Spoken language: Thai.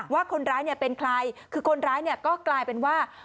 ว่าคนร้ายเป็นใครคือคนร้ายก็กลายเป็นว่า